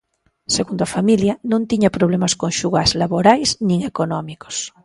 Segundo a familia, non tiña problemas conxugais, laborais nin económicos.